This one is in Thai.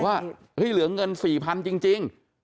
ว่าเหลือเงิน๔๐๐๐จริง